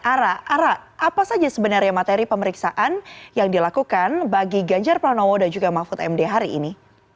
arah apa saja sebenarnya materi pemeriksaan yang dilakukan bagi ganjar pranowo dan juga mahfud md hari ini